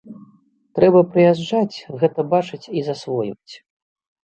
Трэба прыязджаць, гэта бачыць і засвойваць.